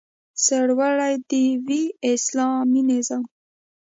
سرلوړی دې وي اسلامي نظام؟